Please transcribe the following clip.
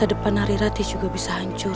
masa depan nari rati juga bisa hancur